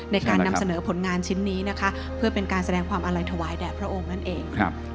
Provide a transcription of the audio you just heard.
ในการนำเสนอผลงานชิ้นนี้นะคะเพื่อเป็นการแสดงความอาลัยถวายแด่พระองค์นั่นเอง